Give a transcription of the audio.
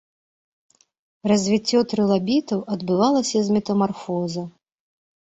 Развіццё трылабітаў адбывалася з метамарфоза.